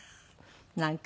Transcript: なんか。